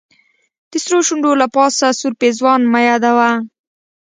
د سرو شونډو له پاسه سور پېزوان مه یادوه.